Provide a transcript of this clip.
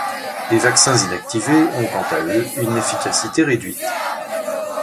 Les vaccins inactivés ont quant à eux une efficacité réduite.